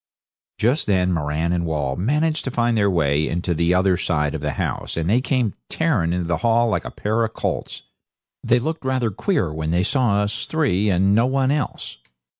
Just then Moran and Wall managed to find their way into the other side of the house, and they came tearing into the hall like a pair of colts. They looked rather queer when they saw us three and no one else.